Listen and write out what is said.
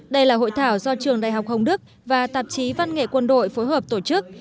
đây là hội thảo do trường đại học hồng đức và tạp chí văn nghệ quân đội phối hợp tổ chức